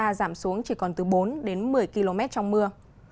mưa rào xuống chỉ còn từ bốn đến một mươi km trong mưa